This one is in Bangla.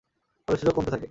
ফলে সূচক কমতে থাকে।